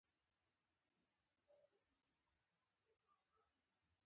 ایا ستاسو تجربه نورو ته درس نه دی؟